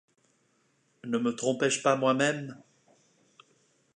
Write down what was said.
Ne me trompais-je pas moi-même ?